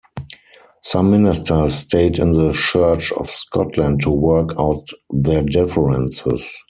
Some ministers stayed in the Church of Scotland to work out their differences.